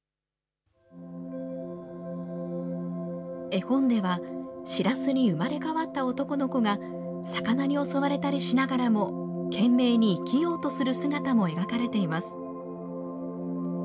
絵本では、しらすに生まれ変わった男の子が、魚に襲われたりしながらも、懸命に生きようとする姿も描かれています。